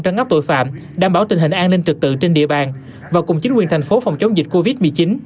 trấn ngắp tội phạm đảm bảo tình hình an ninh trực tự trên địa bàn và cùng chính quyền thành phố phòng chống dịch covid một mươi chín